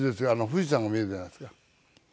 富士山が見えるじゃないですか。